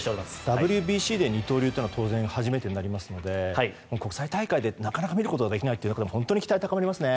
ＷＢＣで二刀流というのは当然初めてになりますので国際大会でなかなか見ることができないということで本当に期待が高まりますね。